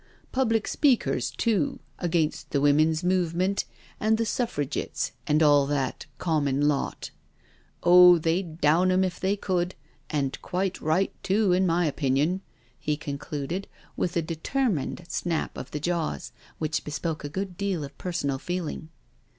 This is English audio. Public speakers too, against the Women's Movement and the Suffrigitts and all that common lot. Oh, they'd down 'em if they could^ and quite right too^ in my opinion," THE DINNER PARTY 213 he concluded, with a detennined snap of the jaws, which bespoke a good deal of personal feeling.